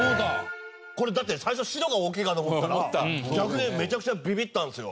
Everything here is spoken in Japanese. これだって最初白が大きいかと思ったら逆でめちゃくちゃビビったんですよ。